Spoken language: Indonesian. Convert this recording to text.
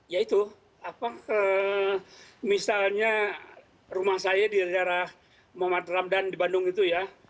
ya itu apa ke misalnya rumah saya di daerah muhammad ramadhan di bandung itu ya